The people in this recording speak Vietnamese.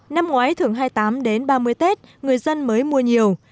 năm ngoái thường hai mươi tám đến ba mươi tết người dân mới mua nhiều